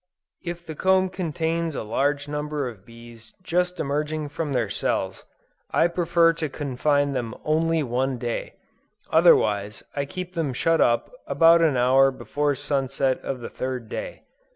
If the comb contains a large number of bees just emerging from their cells, I prefer to confine them only one day, otherwise I keep them shut up until about an hour before sunset of the third day.